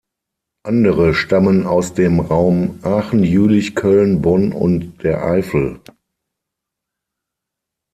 Andere stammen aus dem Raum Aachen, Jülich, Köln, Bonn und der Eifel.